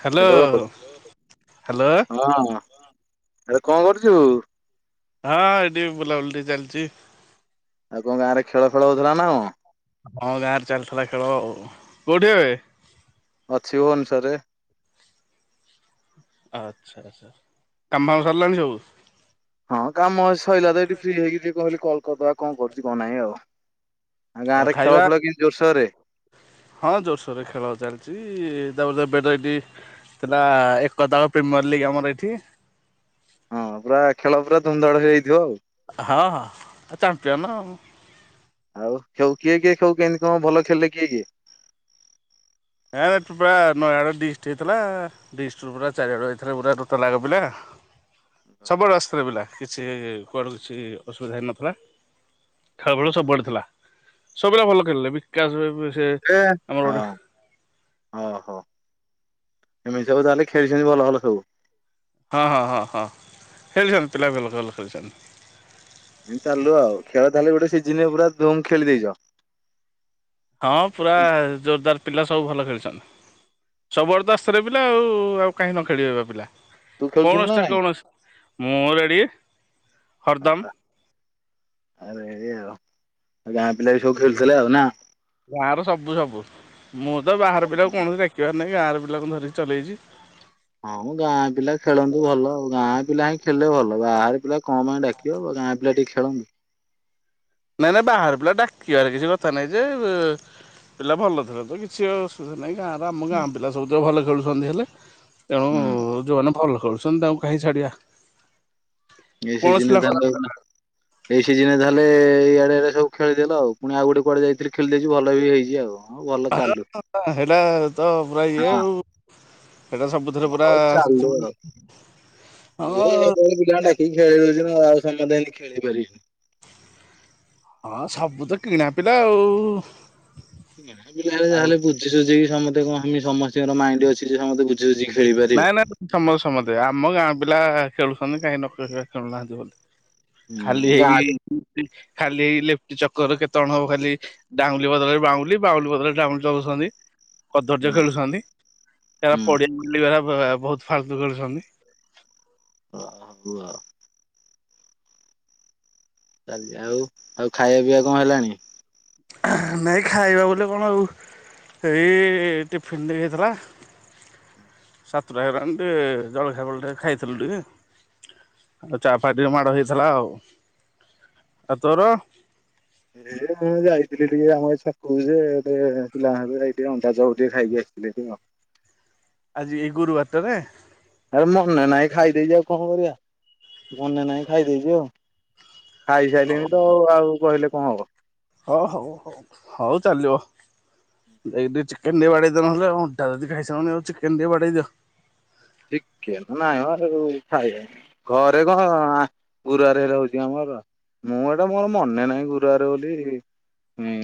Hello hello ହଁ hello ଆରେ କଣ୍ କରୁଚୁ? ହଁ ଏଇଠି ବୁଲାବୁଲି ଟିକେ ଚାଲିଚି। ଆଉ ତମ ଗାଁରେ ଖେଳ ଫେଳ ହଉଥିଲା ନା କଣ? ହଁ ଗାଁରେ ଚାଲିଥିଲା ଖେଳ ଆଉ। ଅଛିି ଭୁବନେଶ୍ଵର ରେ। ଆଚ୍ଛା ଆଚ୍ଛା କାମ ଫାମ ସରିଲାଣି ସବୁ? ହଁ କାମ ସଇଲା ତ ଏଇଠି ଫ୍ରି ହେଇକି ଟିକେ କହିଲଗ କଲ୍ କରିଦବା କଣ କରୁଚି କଣ ନାହିଁ ଆଉ। ଆ ଆଉ ଗାଁରେ ଖେଳ ଖାଇବା ଫେଳ [unintelligible] ଜୋର୍ ସୋର୍ ରେ? ହଁ ଜୋର୍ ସୋର୍ ରେ ଖେଳ ଚାଲିଚି ତାପରେ ଏପେଟେ [unintelligible] ଥିଲା ଏକ [unintelligible] ପ୍ରିମିୟର୍ ଲିଗ୍ ଆମର ଏଠି। ହଁ ପୁରା ଖେଳ ପୁରା ଧୁମଧାମ୍ ହେଇଥିବ ଆଉ। ହଁ- ହଁ ଆ ଚାମ୍ପିଅନ ଆଉ। ଆଉ ସବୁ କିଏ କିଏ ସବୁ କେମିତି କଣ ଭଲ ଖେଳିଲେ କିଏ କିଏ? [unintelligible] ଡିଷ୍ଟି ହେଇଥିଲା [unintelligible] ପୁରା ଚାରିଆଡୁ ଆଇଥିଲେ [unintelligible] ପିଲା। ସବୁଆଡୁ ଆସୁଥିଲେ ପିଲା କିଛି କୁଆଡୁ କିଛି ଅସୁବିଧା ହେଇନଥିଲା। ଖେଳଫେଳ ସବୁଆଡ଼େ ଥିଲା ସବୁପିଲା ଭଲ ଖେଳିଲେ ବିକାଶ୍ ଭାଇ ସେ ଆମର ଗୋଟେ ଓହୋ ଏମିତି ସବୁ ତାହେଲେ ଖେଳିଚନ୍ତି ଭଲ ଭଲ ସବୁ। ହଁ- ହଁ -ହଁ -ହଁ ଖେଳିଚନ୍ତି ପିଲା ଭଲ -ଭଲ ଖେଳିଚନ୍ତି। ଏମିତି ଚାଲୁ ଆଉ ଖେଳ ତାହେଲେ ଗୋଟେ ସିଜିନ୍ ପୁରା ଧୁମ୍ ଖେଳି ଦେଇଚ? ହଁ ପୁରା ଜୋରଦାର୍ ପିଲା ସବୁ ଭଲ ଖେଳିଚନ୍ତି। ସବୁ ଆଡୁ ତ ଆସିଥିଲେ ପିଲା ଆଉ- ଆଉ କାହିଁ ନ ଖେଳିବେ ବା ପିଲା। ତୁ ଖେଳୁଥିଲୁ ନା ନାଇଁ [unintelligible] ମୁଁ ରେଡ଼ି ହରଦମ୍। ଆରେ ଏଇଆ ଆଉ ଗାଁ ପିଲା ବି ସବୁ ଖେଳୁଥିଲେ ଆଉ ନା? ଗାଁ ର ସବୁ ସବୁ ମୁଁ ତ ବାହାର ପିଲାକୁ କୌଣସି ଡାକିବାର ନାହିଁ ଗାଁ ର ପିଲାଙ୍କୁ ଧରିକି ଚଲେଇଚି। ହଁ ମ ଗାଁ ପିଲା ଖେଳନ୍ତୁ ଭଲ ଆଉ ଗାଁ ପିଲା ହିଁ ଖେଳିଲେ ଭଲ ବାହାରେ ପିଲା କଣ ପାଇଁ ଡାକିବ ଗାଁ ପିଲା ଟିକେ ଖେଳନ୍ତୁ। ନାଇଁ ନାଇଁ ବାହାର ପିଲା ଡାକିବାର କିଛି କଥା ନାଇଁ ଯେ ପିଲା ଭଲ ଥିଲେ ତ କିଛି ଅସୁବିଧା ନାହିଁ ଗାଁର ଆମ ଗାଁ ହୁଁ ପିଲା ସବୁ ତ ଭଲ ଖେଳୁଚନ୍ତି ହେଲେ। ତେଣୁ ଯଉମାନେ ଭଲ ଖେଳୁଚନ୍ତି ତାଙ୍କୁ କାହିଁ ଛାଡିବା। [unintelligible] ଏଇ କୌଣସି ପିଲା ଖରାପ ସିଜିନ୍ ରେ ତାହେଲେ ଏଇଆଡେ ସବୁ ଖେଳିଦେଲ ଆଉ ପୁଣି ଆଉ ଗୋଟେ କୁଆଡେ ଯାଇଥିଲି ଖେଳିଦେଇଚି ଭଲ ବି ହେଇଚି ଆଉ। ହଁ ଭଲ ଚାଲୁ ହଁ [inaudible] ହେଟା ତ ପୁରା ଇଏ ଆଉ। ସେଇଟା ସବୁଥିରେ ପୁରା ହଉ ଚାଲୁ ଆଉ [inaudible] କି ହଁ ଖେଳଉଛି ନା ଆଉ ସମସ୍ତେ ହେନ୍ତୀ ଖେଳିଇ ପାରିବେନି। ହଁ ସବୁ ତ କିଣା ପିଲା ଆଉ। ଗାଁ ପିଲା ହେଲେ ଆଉ ଯାହେଲେ ବୁଝିୁସୁଝିକି ସମସ୍ତେ କଣ ସମସ୍ତଙ୍କର ମାଇଣ୍ଡ ଅଛି ସେ ସମସ୍ତେ ବୁ ଝୁ ଜି ଖେଳିପାରିବେ। ଆମର ସମସ୍ତେ ଆମ ଗାଁ ପିଲା ଖେଳୁଛନ୍ତି କାହିଁ ନ [unintelligible] ଖେଳୁନାହାନ୍ତି ବୋଲି। ଖାଲି ହୁଁ ଗାଁ ହେଇ ଖାଲି ହେଇ ଲେଫ୍ଟି ଚକରରେ କେତେ ଜଣ ହବ ଖାଲି। ଡ଼ାଉଁଲି ବଦଳରେ ବାଉଁଲି ବାଉଁଲି ବଦଳରେ ଡ଼ାଉଁଲି ଦଉଛନ୍ତି। କଦର୍ଯ୍ୟ ହୁଁ ଖେଳୁଛନ୍ତି ତାର ହୁଁ ପଡିଆ ମିଳିବାର ବା ବହୁତ ଫାଲତୁ ଖେଳୁଛନ୍ତି। ଅ ହ ହଉ ଆଉ। ଚାଲିଜି ଆଉ ଆଉ ଖାଇବା ପିଇବା କଣ ହେଲାଣି? ନାଇଁ ଖାଇବା ବୋଲେ କଣ ଆଉ। ସେଇ ଟିଫିିନ ଟିକେ ହେଇଥିଲା। ସାତଟା ହେଲାନି ଟିକେ ଜଳଖିଆ ଫଳଖିଆ ବେଳଟେ ଖାଇଥିଲୁ ଟିକେ। ଆଉ ଚା ଫା ଟିକେ ମାଡ ହେଇଥିଲା ଆଉ ଆଉ ତୋର? ଏ ଯାଇଥିଲି ଟିକେ ଆମ ଏଇ ଛକ କୁ ଯେ ଟିକେ ପିଲାଙ୍କ ସହ ଯାଇକି ଟିକେ ଅଣ୍ଡା ଚୋପ୍ ଟିକେ ଖାଇକି ଆସିଥିଲି ଟିକେ ଆଉ। ଆଜି ଏଇ ଗୁରୁବାରଟାରେ। ଆରେ ମନେ ନାହିଁ ଖାଇଦେଇଛି ଆଉ କଣ କରିବା ମନେ ନାହିଁ ଖାଇଦେଇଛି ଆଉ। ଖାଇସାଇଲିଣି ତ ଆଉ କହିଲେ କଣ ହବ। ଅହ ହଉ ହଉ ହଉ ହଉ ଚାଲିବ। ଏଇ ଟେ ଚିକେନ ଟେ ବଡେଇ ଦିଅ ନହେଲେ ଅଣ୍ଡା ଯଦି ଖାଇସାଇଲଣି ଆଉ ଚିକେନ ଟେ ବାଡେଇ ଦିଅ। ଚିକେନ ନାଇଁ ବା ସେସବୁ ଖାଇବା ଘରେ କଣ ଆଁ ଗୁରୁବାର ହେ ରହୁଛି ଆମର। ମୁଁ ଏଟା ମୋର ମନେ ନାହିଁ ଗୁରୁବାର ବୋଲି ହୁଁ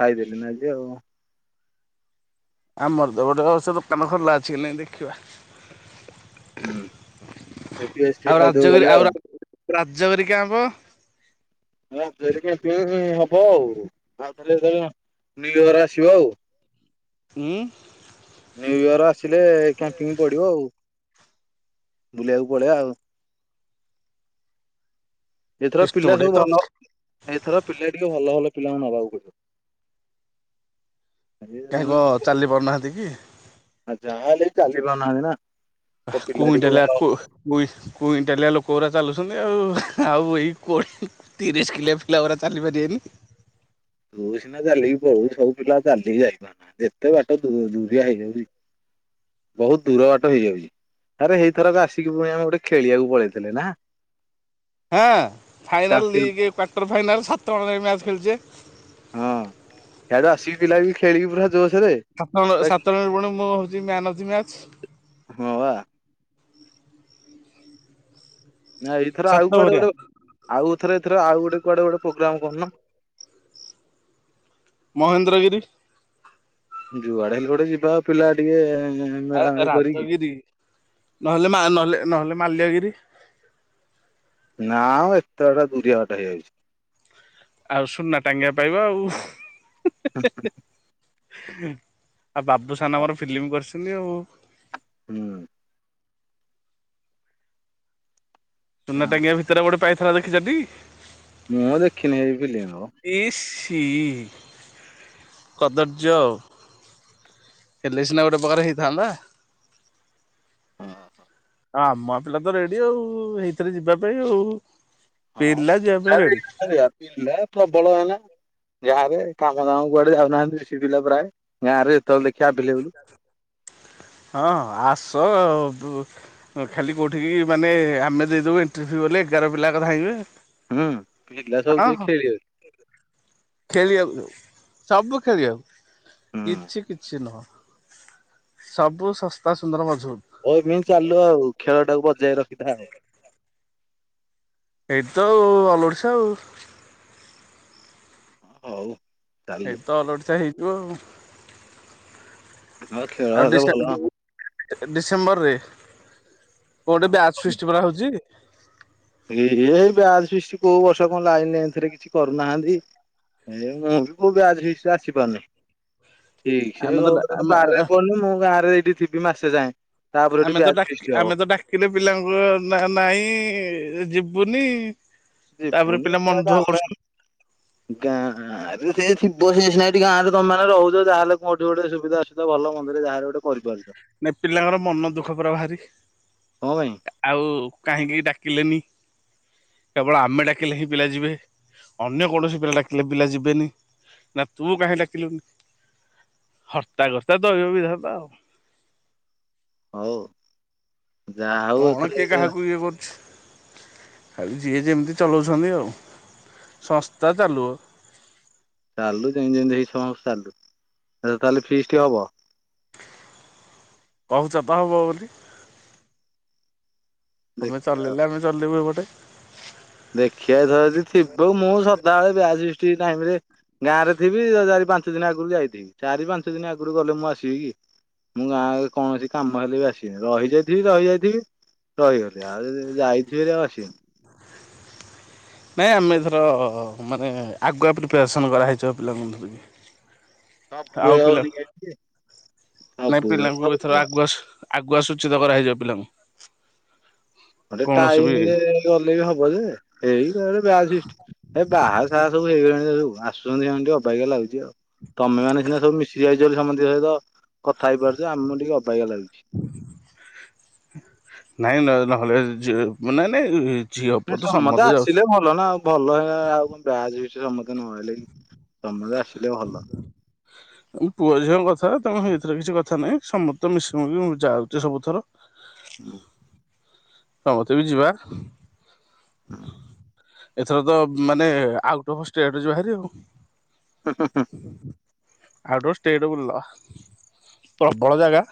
ଖାଇଦେଲି ନା ଆଜି ଆଉ। ଆମର ତ ଗୋଟେ ଅବଶ୍ୟ ଦୋକାନ ଖୋଲା ଅଛି ନାଇ ଦେଖିବା। ହୁଁ ସେ ପିଆଜ ଟିକେ ଆଉ ଖାଇଦବୁ ରାଜଗିରି ଗଲେ ଆଉ ରାଜଗରି କିଆଁମ୍ପ। ରାଜଗିରି କ୍ୟମ୍ପିଂ ହବ ଆଉ। ଆଉ ତାହେଲେ ନିୟୁ ୟେରରେ ଆସିବ ଆଉ। ହୁଁ। ନ୍ୟୁ ଇୟର ଆସିଲେ କ୍ୟାମ୍ପିଙ୍ଗ ପଡିବ ଆଉ ବୁଲିବାକୁ ପଳେଇବା ଆଉ। ଏଥର ସିଷ୍ଟମ ପିଲା ଟିକେ ସବୁ ତ ଭଲ ଏଥର ପିଲା ଟିକେ ଭଲ ଭଲ ପିଲାଙ୍କୁ ନେବାକୁ ପଡିବ। ଏ କାହିଁ କଣ ଚାଲି ପାରୁନାହାନ୍ତି କି। ଆରେ ଯାହା ହେଲେ ବି ଚାଲି ପାରୁନାହାନ୍ତି ନା। ତ ପିଲା ଟିକେ କୁଇଁଣ୍ଟାଲେ ଭଲ ଆକୁ କୁଇ କୁଇଁଟାଲିଆ ଲୋକଗୋରା ଚାଲୁଚନ୍ତି ଆଉ ଆଉ ଏଇ କୋଡି ତିରିଶ କିଲିଆ ପିଲା ଗୋରା ଚାଲିପାରିବେନି। ମୁଁ ସିନା ଚାଲିକି ପଳଉଚି ସବୁ ପିଲା ଚାଲିକି ଯାଇପାରୁ ନାହାନ୍ତି ଏତେ ବାଟ ଦୁ ଦୁରିଆ ହେଇଯାଉଚି। ବୋହୁତ ଦୂର ବାଟ ହେଇଯାଉଚି। ଆରେ ହେଇ ଥରକ ଆସିକି ଫୁଣି ଆମେ ଗୋଟେ ଖେଳିବାକୁ ପଳେଇଥିଲେ ନା। ହାଁ final champion league quarter final ସାତ ଜଣ ଯାଇ ମ୍ୟାଚ୍ ଖେଳିଚେ। ହିଆଡୁ ଆସିକି ପିଲା ବି ଖେଳିକି ପୁରା ଜୋସୋରେ। ସାତ ଜଣ ସତ ଜଣ ପୁଣି ମୁଁ ହୋଉଚି ମ୍ୟାନ ଅଫ ଦି ମ୍ୟାଚ। ହଁ ବା। ନାଁଇ ଏଇଥର ସାତ ଆଉ କୁଆଡେ ଭରିଆ ଗୋଟେ ଆଉ ଏଥର ଥର ଆଉ ଗୋଟେ କୁଆଡେ ଗୋଟେ ପ୍ରୋଗ୍ରାମ କରୁନ। ମହେନ୍ଦ୍ରଗିରି। ଯୁଆଡେ ହେଲେ ଗୋଟେ ଯିବା ପିଲା ଟିକେ ଆରେ ମେଳାମେଳି କରିକି ରାଜଗିରି ନହେଲେ ମା ନହେଲେ ନହେଲେ ମାଲ୍ୟଗିରି। ନା ମ ଏତେ ବାଟ ଦୁରିଆ ବାଟ ହେଇଯାଉଛି। ଆଉ ସୁନା ଟାଙ୍ଗିଆ ପାଇବ ଆଉ। ହୁଁ ହୁଁ। ଆଉ ବାବୁସାନ ଆମର ଫିଲ୍ମ କରୁସନ୍ତି ଆଉ। ହୁଁ। ସୁନା ଟାଙ୍ଗିଆ ଭିତରେ ଗୋଟେ ପାଇଥିଲା ଦେଖିଚଟି? ମୁଁ ଦେଖିନି ଏଇ ଫିଲ୍ମ ଆଉ। ଇସି କଦର୍ଯ୍ୟ ଆଉ। ହେଲେ ସିନା ଗୋଟେପ୍ରକାର ହେଇଥାନ୍ତା। ଆମ ପିଲା ତ ରେଡି ଆଉ ହେଇଥିରେ ଯିବା ପାଇଁ ଆଉ ହଁ। ପିଲା ଯିବା ପାଇଁ ରେଡି। ପିଲା ପ୍ରବଳ ଏନା ଗାଁରେ କାମଦାମ କୁଆଡେ ଯାଉନାହାନ୍ତି ବେଶୀ ପିଲା ପ୍ରାୟେ। ଗାଁରେ ଯେତେବଳେ ଦେଖିବ ଆଭେଲେବୁଲୁ। ହଁ ଆସ ବୁ ହଁ ଖାଲି କୋଉଠିକି ମାନେ ଆମେ ଦେଇଦେବୁ ଇଣ୍ଟରଭିୟୁ ବୋଲେ ଏଗାର ପିଲା ଏକ ଧାଇଁବେ। ହୁଁ ପିଲା ସବୁ ଯିବେ ଖେଳି ବାକୁ। [unintelligible] ଖେଳିବାକୁ ସବୁ ସବୁ ଖେଳିବାକୁ। ହୁଁ। କିଛି କିଛି ନୁହଁ ସବୁ ଶସ୍ତା ସୁନ୍ଦର ମଝବୁତ। ଏମିତି ଚାଲୁ ଆଉ ଖେଳ ଟାକୁ ବଜାଇ ରଖିଥା ଆଉ। ଏଇଠି ତ ଆଉ ଅଲ ଓଡ଼ିଶା ଆଉ। ହଉ। ଚାଲୁ ଏଇଠି ତ ଅଲଓଡ଼ିସା ହେଇଥିବ ହଁ ଖେଳ ଆଉ ହେଲେ ଡିଷ୍ଟା ଭଲ। ଡିସେମ୍ବର ରେ କୋଉଠି ବ୍ୟାଚ ଫିଷ୍ଟିପରା ହଉଛି। ଏଇ ଏ ବ୍ୟାଜ ଫିଷ୍ଟି କୋଉ ବର୍ଷ କଣ ଲାଇନ ହେନ୍ତିରେ କିଛି କରୁନାହାନ୍ତି। ଏ ମୁଁ ବି କଉ ବ୍ୟାଚ ଫିଷ୍ଟିରେ ଆସିପାରୁନି। ଠିକ୍ ସେ ଆମେ ତ କ ଆମେ ବାରେପଡନି ମୁଁ ଗାଁରେ ଏଇଠି ଥିବି ମାସେ ଯାଏଁ। ଆମେ ତାପରଠୁ ତ ବ୍ୟାଚ ଡାକି ଫିଷ୍ଟି ଆମେ ହବ। ତ ଡାକିଲେ ପିଲାଙ୍କୁ ନା ନାଇଁ ଯିବୁନି। ତାପରେ ପିଲା ମନ ଦୁଃଖ କରୁଛ ଗାଁ ଗାଁରେ ସେ ଥିବ ସେସିନି ଏଠି ଗାଁ ରେ ତମମାନେ ରହୁଛ ଯାହାଲେ କଉଠି ଗୋଟେ ସୁବିଧା ଅସୁବିଧା ଭଲନ୍ଦରେ ଯାହାଲେ ଗୋଟେ କରିପାରୁ ନାଇଁ ପିଲାଙ୍କର ମନ ଦୁଃଖ ପରା ଭାରି କଣ ପାଇଁ କା ଆଉ କାହିଁକି ଡାକିଲେନି। କେବଳ ଆମେ ଡାକିଲେ ହିଁ ପିଲା ଯିବେ ଅନ୍ୟ କୌଣସି ପିଲା ଡାକିଲେ ପିଲା ଯିବେନି। ନା ତୁ କାହିଁ ଡାକିଲୁନି ହର୍ତ୍ତା କର୍ତ୍ତା ଦଇବ ବିଧାତା ଆଉ। ହଉ ଯାହା ହଉ ଏଥର ଗୋଟେ ପିଏ କରୁଛି। ଆଉ ଯିଏ ଯେମିତି ଚଲଉଛନ୍ତି ଆଉ ସଂସ୍ତା ଚାଲୁ। ଚାଲୁ ଯେମିତି ଯେମିତି ହେଇ ସମସ୍ତ ଚାଲୁ ଏ ତାହେଲେ ଫିଷ୍ଟି ହବ? କହୁଛ ତ ହେବ ବୋଲି। ତୁମେ ଦେଖିବା ଚଲେଇଲେ ଆମେ ଚଲେଇବୁ ଏପଟେ। ଦେଖିଆ ଧରଯଦି ଥିବ ମୁଁ ସଦାବେଳେ ବ୍ୟାଚଫିଷ୍ଟି ଟାଇମ୍ ରେ ଗାଁରେ ଥିବି ଚାରି, ପାଞ୍ଚ ଦିନ ଆଗରୁ ଯାଇଥିବି ଚାରି, ପାଞ୍ଚ ଦିନ ଆଗରୁ ଗଲେ ମୁଁ ଆସିବି କି? ମୁଁ ଗାଁରେ କୌଣସି କାମ ହେଲେ ବି ଆସିବିନି ରହିଯାଇଥିବି ରହିଯାଇଥିବି। ରହିଗଲି ଆଉ ଯାଇଥିବି ଆଉ ଆସିବିନି। ନାଇଁ ଆମେ ଏଥର ମାନେ ଆଗୁଆ ପ୍ରିପାରେସନ୍ କରାହେଇଚି ପିଲାଙ୍କ ଧରିକି। ଆଉ ସବୁବେଳେ ପିଲା ହଉନି କେମିତି ନାଇଁ ସବୁବେଳେ ପିଲାଙ୍କୁ ହଉଛି ଏଥର ବା ଆଗୁଆ ଆଗୁଆ ସୂଚିତ କରାହେଇଯିବ ପିଲାଙ୍କୁ। ଗୋଟେ କୌଣସି ବି ଟାଇମରେ ଗଲେ ବି ହବ ଯେ ଏଇ [unintelligible] ଏ ବାହା ସାହା ସବୁ ହେଇଗଲାଣି ସବୁ ଆସୁଛନ୍ତି ସେ ଟ ଅବାଗିଆ ଲାଗୁଛି ଆଉ। ତମେ ମାନେ ସିନା ସବୁ ମିଶିକି ଯାଇଛ ବୋଲି ସମସ୍ତଙ୍କ ସହିତ କଥା ହେଇପାରୁଛ ଆମକୁ ଟିକେ ଅବାଗିଆ ଲାଗୁଛି। ନାଇଁ ନ ନହେଲେ ଯ ନାଇଁ ନାଇଁ। ଝିଅ ନା ପୁଅ ତ ସମସ୍ତେ ଆସିଲେ ଯାଉଛୁ। ଭଲ ନାଉ ଭଲ ଆଉ [unintelligible] ସମସ୍ତେ ନଆଇଲେ ତମେ ବି ଆସିଲେ ଭଲ। ପୁଅ ଝିଅଙ୍କ କଥା ତମ ହେଇତିରେ କିଛି କଥା ନାହିଁ ସମସ୍ତେ ମିଶୁ ମିଶୁ ଯାଉଛି ସବୁଥର। ଉଁ। ସ ମତେ ବି ଯିବା। ଏଥର ତ ମାନେ ଆଉଟ୍ ଅଫ୍ ଷ୍ଟେଟ ଯିବା ହାରି ଆଉ। ହୁଁ ହୁଁ ହୁଁ। ଆଉଟ ଅଫ ଷ୍ଟେଟ ବୁଲ ପ୍ରବଳ ଜାଗା।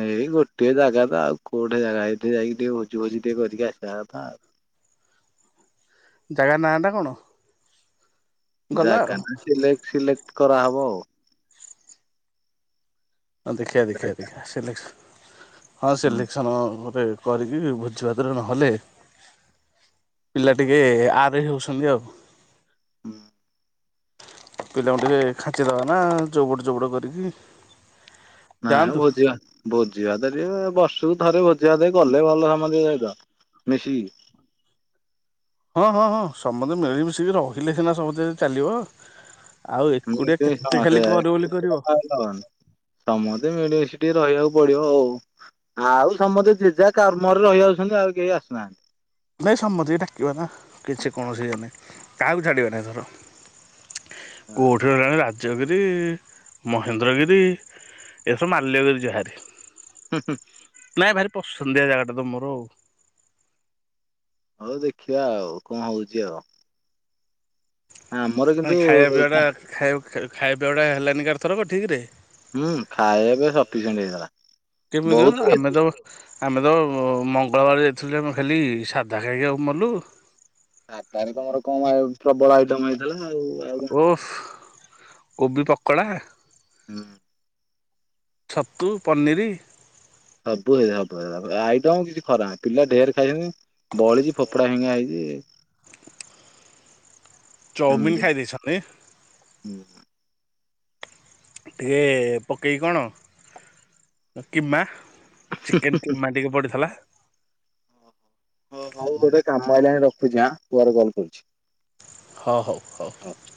ଏଇ ଗୋଟେ ଜାଗା ତ ଆଉ କୋଉଟେ ଜାଗା ଏଇଠି ଯାଇକି ଟିକେ ଭୋଜି ଫୋଜୀ ଟିକେ କରିକି ଆସିବା କଥା ଉ। ଜାଗା ନାଁଟା କଣ? ଗଲା ଜାଗା ଆଉ ସିଲେକ୍ଟ ସିଲେକ୍ଟ କରାହବ ଆଉ। ହଁ ଦେଖିଆ ଦେଖିଆ ଜାଗା। ଦେଖିଆ ସିଲେକ୍ସନ୍ ହଁ ହୁଁ ସିଲେକ୍ସନ୍ ଗୋଟେ କରିକି ଭୋଜିଭାତ ଟେ ନହେଲେ ପିଲା ଟିକେ ଆର ହଉଛନ୍ତି ଆଉ। ଉଁ। ପିଲାଙ୍କୁ ଟିକେ ଖାଚିଦବା ନା ଚୋବଡ ଚୋବଡ କରିକି। ନା ଯାଆନ୍ତୁ ଭୋଜି ବା ଭୋଜି ବାତ ଟିକେ ବର୍ଷକୁ ଥରେ ଭୋଜି ଭାତ କଲେ ଭଲସମତୀ ଙ୍କ ସହିତ ମିଶିକି। ହଁ ହଁ ହଁ ସମସ୍ତେ ମିଳିମିଶିକି ରହିଲେ ସିନା ସମସ୍ତେ ଚାଲିବ। ଆଉ ଏକୁଟିଆ କେତେ ଖାଲି କର ବୋଲି କରିବ। ହ ସମସ୍ତେ ମିଳିମିସି ଟିକେ ରହିବାକୁ ପଡିବ ଆଉ। ଆଉ ସମସ୍ତେ ଜେଜା କାମରେ ରହିଯାଉଛନ୍ତି ଆଉ କେହି ଆସୁନାହାନ୍ତି। ନାଇଁ ସମତି କି ଡାକିବା ନା କିଛି କୌଣସି ଇଏ ନାହିଁ କାହାକୁ ଛାଡ଼ିବା ନି ଏଥର। ହୁଁ [unintelligible] ରାଜ୍ୟ ଗିରି ମହେନ୍ଦ୍ରଗିରି ଏସବୁ ମାଲ୍ୟଗିରି ଯାହାରି। ହୁଁ ହୁଁ। ନାଇଁ ଭାରି ପସନ୍ଦିଆ ଜାଗାଟା ତ ମୋର ଆଉ। ହଉ ଦେଖିବା ଆଉ କଁ ହଉଛି ଆଉ। ଆମର ମାନେ କିନ୍ତୁ ଖାଇବା ପିଇବାଟା ଖାଇବା ପିବାଟା ହେଲାନି କି ଆରଥରକ ଠିକ ରେ। ହୁଁ ଖାଇବା ସଫିସିଏଣ୍ଟ ହେଇଥିଲା, କେମିତି ମ ବହୁତ ହେବୀ। [unintelligible] ଆମେ ତ ମଙ୍ଗଳବାର ଯାଇଥିଲୁ ଆମେ ଖାଲି ସାଧା ଖାଇ ଖାଇକି ମଲୁ। ସାଦା ରେ ତମର କଣ ପ୍ରବଳ ଆଇଟମ ହେ ଓଫ, କୋବି ପକଡ଼ା। ହୁଁ। ଛତୁ, ପନିରି ସବୁ ହେଇ ସବୁ ହେଇ ଆଇଟମ୍ କିଛି ଖରାପ ପିଲା ଢେର୍ ଖାଇଛନି। ବଳିଛି ଫୋଫ ଫୋପଡ଼ା ଫିଙ୍ଗା ହେଇଛି। ଚଉମିନ୍ ଖାଇ ଦେଇଛନ୍ତି। ହୁଁ। [unintelligible] ଟିକେ ପକେଇକି କଣ କିମା। ଚିକେନ୍ କିମା ଟିକେ ପଡିଥିଲା। ଅ ହଉ ଗୋଟେ କାମ ଆଇଲାଣି ରଖୁଚି ଆଁ ପରେ କଲ୍ କରୁଛି। ହ ହଉ। ହଉ। ରହୁଛି